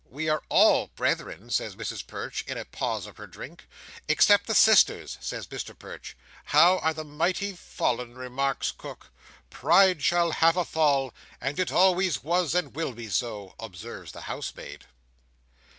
"We are all brethren," says Mrs Perch, in a pause of her drink. "Except the sisters," says Mr Perch. "How are the mighty fallen!" remarks Cook. "Pride shall have a fall, and it always was and will be so!" observes the housemaid.